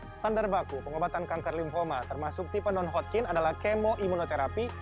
standar baku pengobatan kanker lymphoma termasuk tipe non hotcin adalah kemo imunoterapi